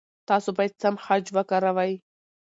تاسو باید سم خج وکاروئ.